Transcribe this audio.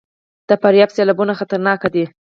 د فاریاب سیلابونه خطرناک دي